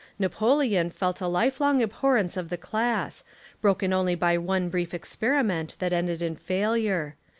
Na poleon felt a life long abhorrence of the class, broken only by one brief experiment that ended in failure.